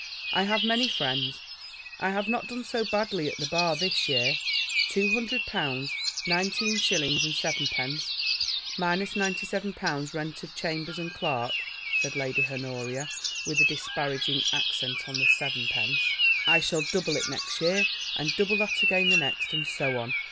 I have many friends. I have not done so badly at the Bar this year." "Two hundred pounds, nineteen shillings and sevenpence, minus ninety seven pounds rent of chambers and clerk," said Lady Honoria, with a disparaging accent on the sevenpence. "I shall double it next year, and double that again the next, and so on.